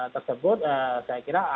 tersebut saya kira akan